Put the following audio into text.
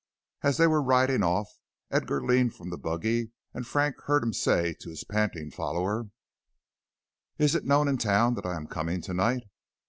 As they were riding off, Edgar leaned from the buggy, and Frank heard him say to his panting follower: "Is it known in town that I am coming to night?"